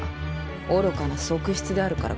愚かな側室であるからか？